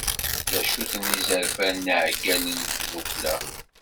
D acu-ten yizerfan n yiɛeggalen n tddukkla?